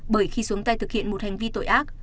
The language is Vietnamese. bởi khi xuống tay thực hiện một hành vi tội ác